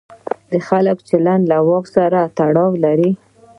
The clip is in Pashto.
د خلکو چلند له واک سره تړاو لري.